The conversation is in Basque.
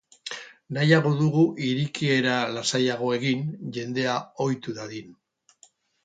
Nahiago dugu irekiera lasaiagoa egin, jendea ohitu dadin.